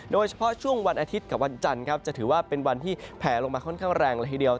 โดยเฉพาะช่วงวันอาทิตย์กับวันจันทร์ครับจะถือว่าเป็นวันที่แผลลงมาค่อนข้างแรงละทีเดียว